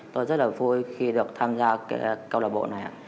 tôi rất là vui khi được tham gia cái câu lạc bộ này ạ